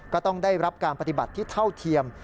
ก็ต้องได้รับการปฏิบัติที่เท่าเทียม